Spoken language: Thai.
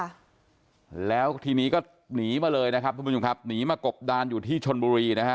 ค่ะแล้วทีนี้ก็หนีมาเลยนะครับทุกผู้ชมครับหนีมากบดานอยู่ที่ชนบุรีนะฮะ